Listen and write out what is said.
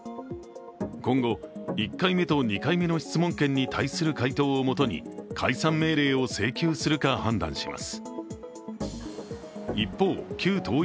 今後、１回目と２回目の質問権に対する回答をもとに、解散命令を請求するか判断します。